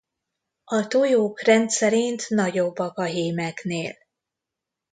A tojók rendszerint nagyobbak a hímeknél.